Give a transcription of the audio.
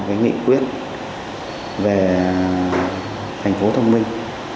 với nghị quyết về thành phố thông minh